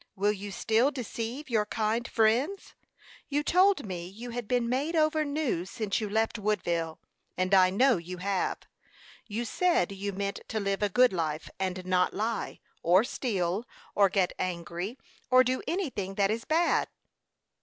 Will you still deceive your kind friends? You told me you had been made over new since you left Woodville, and I know you have. You said you meant to live a good life, and not lie, or steal, or get angry, or do anything that is bad."